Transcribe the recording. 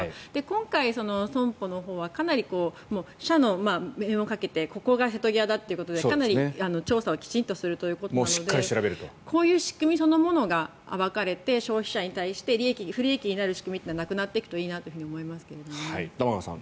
今回、損保のほうはかなり社の命運をかけてここが瀬戸際だということで調査はしっかりするということなのでこういう仕組みそのものが暴かれて消費者に対して不利益になる仕組みはなくなっていけばいいなと思いますけど。